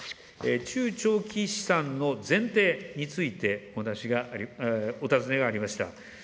中長期資産の前提についてお尋ねがありました。